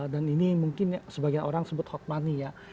dan ini mungkin sebagian orang sebut hot money ya